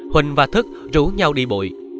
huỳnh và thức rú nhau đi bụi